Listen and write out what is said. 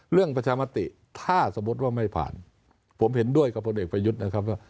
เรื่องประชามติถ้าสมมติว่าไม่ผ่านผมเห็นด้วยกับพวกเด็กประยุทธ์นะครับ